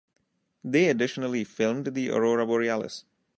They additionally filmed the Aurora Borealis.